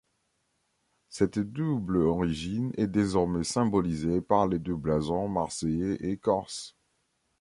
Cette double origine est désormais symbolisée par les deux blasons Marseillais et Corse.